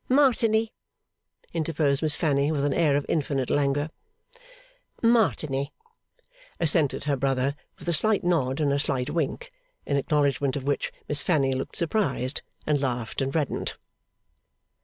'Martigny,' interposed Miss Fanny with an air of infinite languor. 'Martigny,' assented her brother, with a slight nod and a slight wink; in acknowledgment of which, Miss Fanny looked surprised, and laughed and reddened.